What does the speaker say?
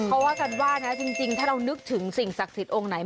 เพราะกันว่าคือจริงถ้านึกถึงสิ่งสักสถิติองค์ไหน